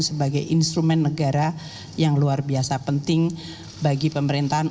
sebagai instrumen negara yang luar biasa penting bagi pemerintahan